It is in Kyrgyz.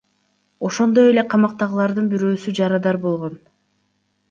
Ошондой эле камактагылардын бирөөсү жарадар болгон.